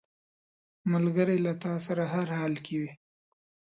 ملګری له تا سره هر حال کې وي